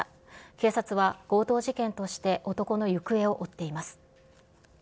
警察は、強盗事件として男の行方を追っています。